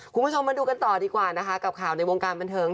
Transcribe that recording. คุณผู้ชมมาดูกันต่อดีกว่านะคะกับข่าวในวงการบันเทิง